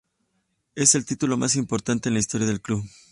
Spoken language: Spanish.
Es el título más importante en la historia del club.